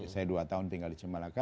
saya dua tahun tinggal di cimalaka